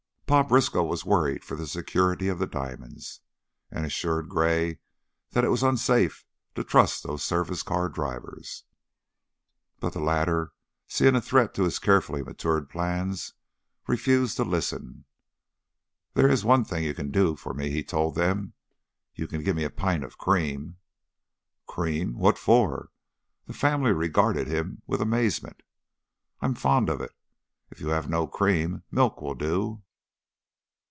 Pa Briskow was worried for the security of the diamonds, and assured Gray that it was unsafe to trust those service car drivers. But the latter, seeing a threat to his carefully matured plans, refused to listen. "There's one thing you can do for me," he told them. "You can give me a pint of cream." "Cream? What for?" The family regarded him with amazement. "I'm fond of it. If you have no cream, milk will do."